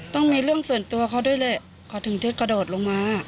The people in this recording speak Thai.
ต้องมีเรื่องส่วนตัวเขาด้วยแหละเขาถึงจะกระโดดลงมา